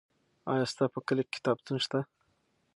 آیا ستا په کلي کې کتابتون شته؟